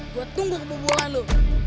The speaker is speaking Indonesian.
gue tunggu kebobolan lo